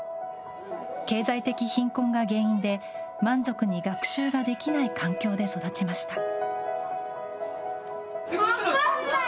経済的貧困が原因で満足に学習ができない環境で育ちました。